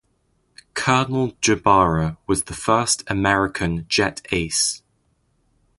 Colonel Jabara was the First American Jet Ace.